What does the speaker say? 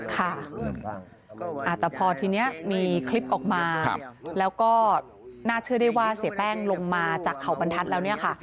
ค่ะแต่พอทีนี้มีคลิปออกมาแล้วก็น่าเชื่อได้ว่าเสียแป้งลงมาจากเขาบรรทัศน์แล้วเนี่ยค่ะ